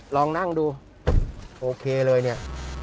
ลองนั่งดูโอเคเลยเนี่ย